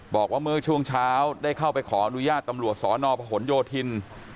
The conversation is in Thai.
บอกว่าเมื่อช่วงเช้าได้เข้าไปขออนุญาตตำรวจสนพหนโยธิน